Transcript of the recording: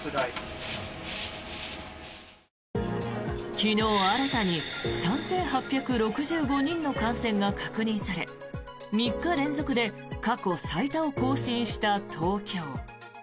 昨日、新たに３８６５人の感染が確認され３日連続で過去最多を更新した東京。